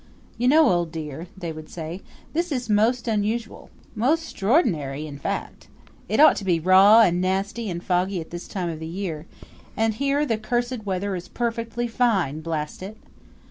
"You know, old dear," they would say, "this is most unusual most stroidinary, in fact. It ought to be raw and nasty and foggy at this time of the year, and here the cursed weather is perfectly fine blast it!"